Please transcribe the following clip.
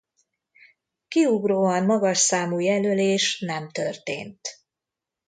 Kiugróan magas számú jelölés nem történt.